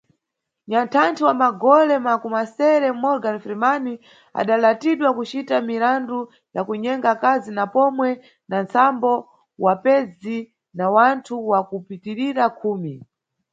Nyanthanthi wa magole makumasere, Morgan Freeman, adalatidwa kucita mirandu ya kunyenga akazi na pomwe na nsambo wapezi na wanthu wakupitirira khumi.